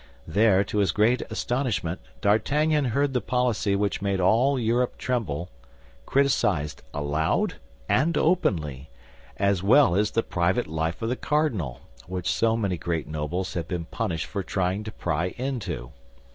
There, to his great astonishment, D'Artagnan heard the policy which made all Europe tremble criticized aloud and openly, as well as the private life of the cardinal, which so many great nobles had been punished for trying to pry into.